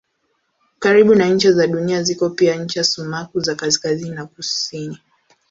Karibu na ncha za Dunia ziko pia ncha sumaku za kaskazini na kusini.